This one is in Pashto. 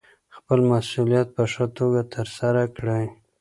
خپل مسوولیت په ښه توګه ترسره کړئ.